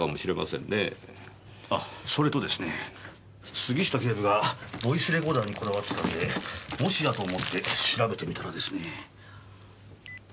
あそれとですね杉下警部がボイスレコーダーにこだわってたんでもしやと思って調べてみたらですね。